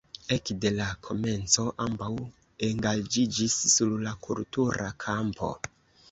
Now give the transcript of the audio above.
Ekde la komenco ambaŭ engaĝiĝis sur la kultura kampo.